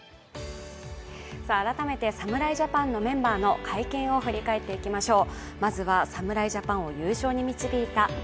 改めて侍ジャパンのメンバーの会見を振り返っていきましょう。